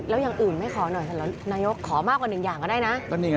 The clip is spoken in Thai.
แล้วอย่างอื่นไม่ขอหน่อยนายกขอมากกว่าหนึ่งอย่างก็ได้นะ